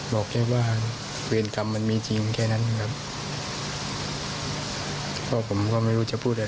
บอกแค่ว่าเวรกรรมมันมีจริงแค่นั้นครับเพราะผมก็ไม่รู้จะพูดอะไร